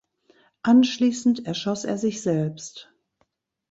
Anschließend erschoss er sich selbst.